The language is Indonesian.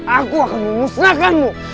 aku akan memusnahkanmu